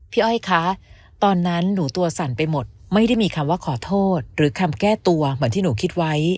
อ้อยคะตอนนั้นหนูตัวสั่นไปหมดไม่ได้มีคำว่าขอโทษหรือคำแก้ตัวเหมือนที่หนูคิดไว้